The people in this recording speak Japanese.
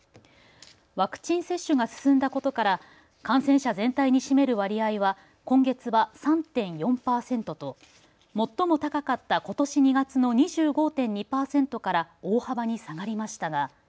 ワクチン接種が進んだことから感染者全体に占める割合は今月は３．４％と最も高かったことし２月の２５．２％から大幅に下がりましたが。